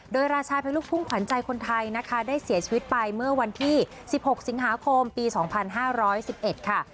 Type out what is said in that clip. โดยราชาเป็นลูกทุ่งขวัญใจคนไทยนะคะได้เสียชีวิตไปเมื่อวันที่๑๖สิงหาคมปี๒๕๑๑ค่ะ